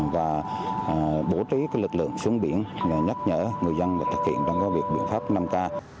và bổ trí lực lượng xuống biển nhắc nhở người dân thực hiện trong các biện pháp năm k